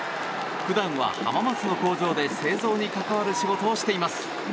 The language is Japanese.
普段は浜松の工場で製造に関わる仕事をしています。